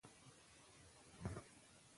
موږ استعداد لرو.